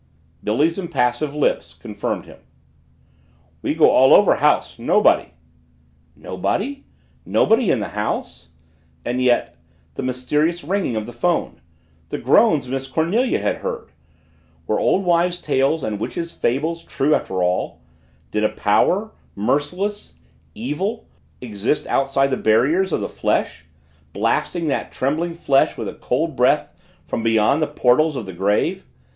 Billy's impassive lips confirmed him. "We go all over house nobody!" Nobody nobody in the house! And yet the mysterious ringing of the phone the groans Miss Cornelia had heard! Were old wives' tales and witches' fables true after all? Did a power merciless evil exists outside the barriers of the flesh blasting that trembling flesh with a cold breath from beyond the portals of the grave?